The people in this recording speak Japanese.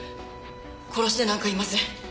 殺してなんかいません。